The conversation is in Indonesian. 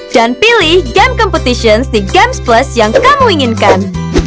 dan pilih game competitions di games plus yang kamu inginkan